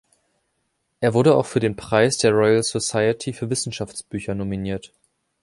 Es wurde auch für den Preis der Royal Society für Wissenschaftsbücher nominiert.